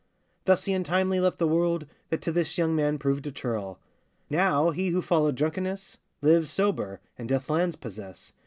Thus he untimely left the world, That to this young man proved a churl. Now he who followed drunkenness, Lives sober, and doth lands possess.